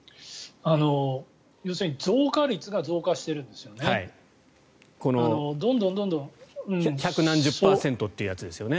要するに増加率が増加してるんですよね。